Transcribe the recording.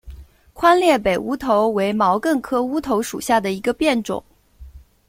宽裂北乌头为毛茛科乌头属下的一个变种。